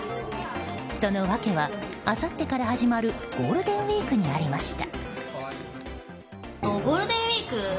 その訳は、あさってから始まるゴールデンウィークにありました。